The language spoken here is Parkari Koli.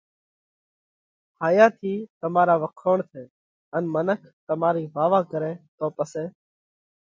هائِيا ٿِي تمارا وکوڻ ٿئہ ان منک تمارئِي واه واه ڪرئہ تو پسئہ